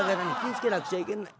付けなくちゃいけない